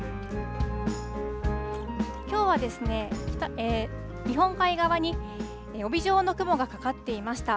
きょうは日本海側に帯状の雲がかかっていました。